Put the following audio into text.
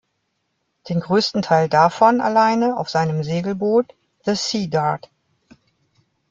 Den größten Teil davon alleine auf seinem Segelboot "„The Sea Dart“".